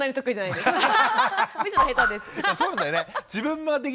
そうだよね。